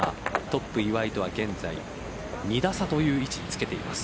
トップ・岩井とは現在２打差という位置につけています。